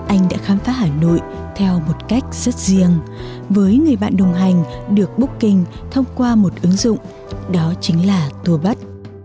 anh đã khám phá hà nội theo một cách rất riêng với người bạn đồng hành được booking thông qua một ứng dụng đó chính là tourbud